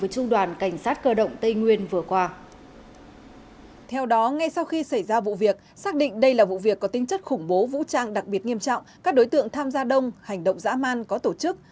trong việc có tính chất khủng bố vũ trang đặc biệt nghiêm trọng các đối tượng tham gia đông hành động dã man có tổ chức